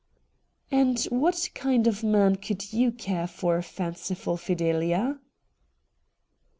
' And what kind of man could you care for, fanciful Fidelia